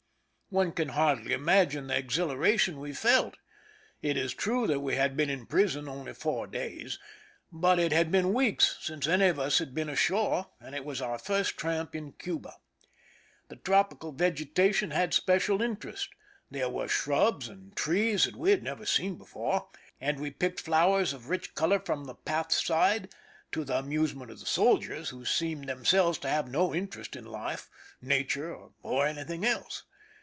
One can hardly imagine the exhilaration we felt. It is true that we had been in prison only four days, but it had been weeks since any of us had been ashore, and it was our first tramp in Cuba. The tropical vegetation had special interest. There were shrubs and trees that we had never seen before, and we picked flowers of rich color from the pathside, to the amusement of the" soldiers, who seemed themselves to have no interest in life, na ture, or anything else.